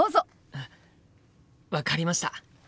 あっ分かりました！